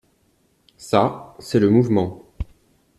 Ça, c’est le mouvement.